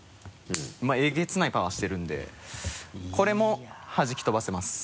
まぁえげつないパワーしてるんでこれもはじき飛ばせます。